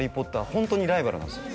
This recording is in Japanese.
ホントにライバルなんですよ